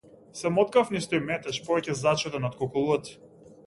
Се моткав низ тој метеж повеќе зачуден отколку лут.